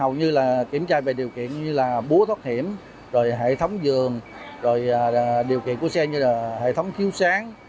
hầu như kiểm tra về điều kiện như búa thoát hiểm hệ thống giường điều kiện của xe như hệ thống khiếu sáng